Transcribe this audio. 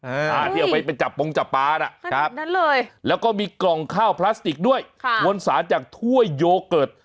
อ่าที่เอาไปไปจับปงจับปลานะครับแล้วก็มีกล่องข้าวพลาสติกด้วยค่ะมวลสารจากถ้วยโยเกิร์ต